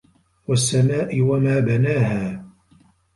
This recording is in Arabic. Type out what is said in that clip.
وَالسَّماءِ وَما بَناها